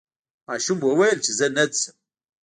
ماشوم وویل چې زه نه ځم.